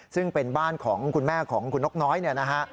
ซึ่งเป็นบ้านของคุณแม่ของคุณนกน้อยเนี่ยนะฮะ